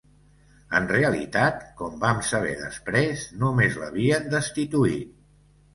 En realitat, com vam saber després, només l'havien destituït.